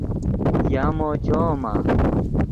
یامو چویمآ؟